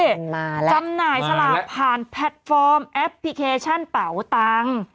มาแล้วจำหน่ายสลากผ่านแพลตฟอร์มแอปพลิเคชันเป๋าตังค์